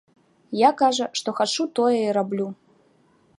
Я, кажа, што хачу, тое і раблю.